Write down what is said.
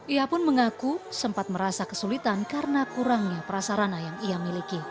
ia pun mengaku sempat merasa kesulitan karena kurangnya prasarana yang ia miliki